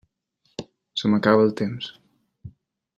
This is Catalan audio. Se m'acaba el temps.